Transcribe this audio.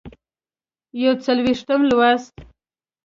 یوڅلوېښتم لوست